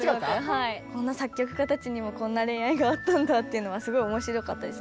こんな作曲家たちにもこんな恋愛があったんだっていうのはすごい面白かったです。